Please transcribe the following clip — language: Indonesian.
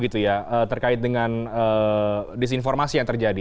terkait dengan disinformasi yang terjadi